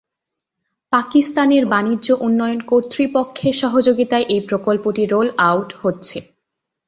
পাকিস্তানের বাণিজ্য উন্নয়ন কর্তৃপক্ষের সহযোগিতায় এই প্রকল্পটি রোল-আউট হচ্ছে।